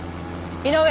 井上！